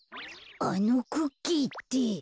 あのクッキーって。